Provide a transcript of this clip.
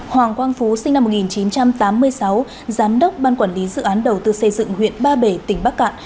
hoàng quang phú sinh năm một nghìn chín trăm tám mươi sáu giám đốc ban quản lý dự án đầu tư xây dựng huyện ba bể tỉnh bắc cạn